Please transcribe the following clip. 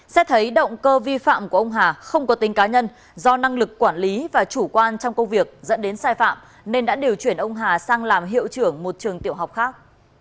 xét thấy động cơ vi phạm của ông hà không có tính cá nhân do năng lực quản lý và chủ quan trong công việc dẫn đến sai phạm nên đã điều chuyển ông hà sang làm hiệu trưởng một trường tiểu học khác